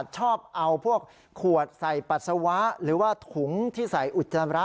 ชอบเอาพวกขวดใส่ปัสสาวะหรือว่าถุงที่ใส่อุจจาระ